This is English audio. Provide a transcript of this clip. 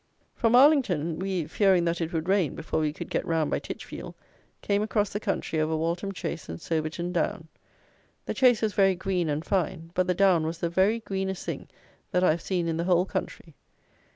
From Arlington, we, fearing that it would rain before we could get round by Titchfield, came across the country over Waltham Chase and Soberton Down. The chase was very green and fine; but the down was the very greenest thing that I have seen in the whole country.